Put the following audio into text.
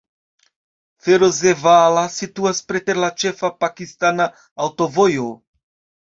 Ferozevala situas preter la ĉefa pakistana aŭtovojo.